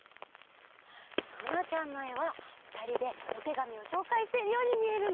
ななちゃんのえはふたりでおてがみをしょうかいしているようにみえるね！